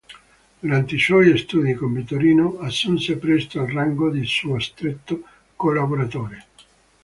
Durante i suoi studi con Vittorino assunse presto al rango di suo stretto collaboratore.